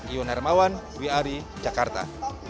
iwan hermawan wiari jakarta